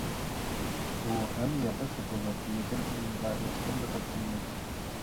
ئۇ ھەممە يەردە تېپىلىدۇ، لېكىن ئۇنىڭغا ھېچكىم دىققەت قىلمايدۇ.